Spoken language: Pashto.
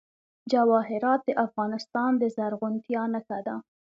جواهرات د افغانستان د زرغونتیا نښه ده.